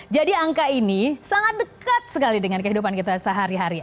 jadi angka ini sangat dekat sekali dengan kehidupan kita sehari hari